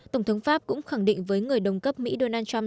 tổng thống pháp cũng khẳng định với người đồng cấp mỹ donald trump